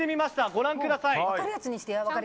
ご覧ください。